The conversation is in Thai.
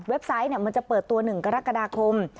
เว็บไซต์เนี่ยมันจะเปิดตัวหนึ่งกรกฎาคม